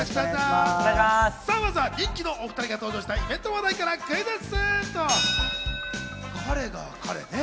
まずは人気のお２人が登場したイベントの話題からクイズッス！